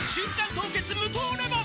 凍結無糖レモン」